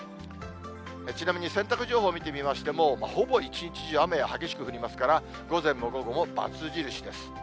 ちなみに、洗濯情報見てみましても、ほぼ一日中、雨が激しく降りますから、午前も午後もばつ印です。